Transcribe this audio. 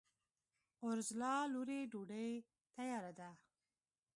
اورځلا لورې! ډوډۍ تیاره ده؟